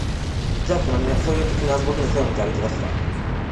「じゃあ、決まりね」、そう言うと、君は僕に背を向け歩き出した